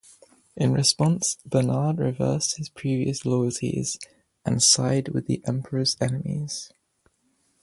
In response Bernard reversed his previous loyalties and side with the Emperor's enemies.